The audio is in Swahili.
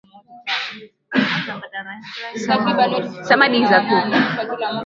samadi za kuku